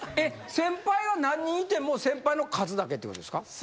先輩が何人いても先輩の数だけってことですか？